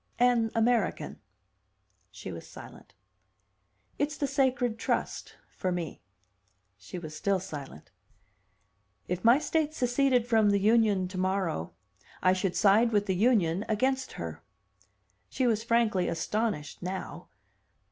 "An American." She was silent. "It's the 'sacred trust' for me." She was still silent. "If my state seceded from the Union tomorrow, I should side with the Union against her." She was frankly astonished now.